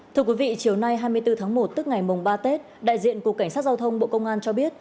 thưa quý vị chiều nay hai mươi bốn tháng một tức ngày mùng ba tết đại diện cục cảnh sát giao thông bộ công an cho biết